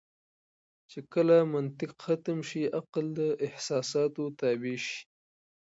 چې کله منطق ختم شي عقل د احساساتو تابع شي.